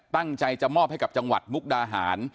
ตั้งใจจะมอบให้กับจังหวัดมุกดาหาร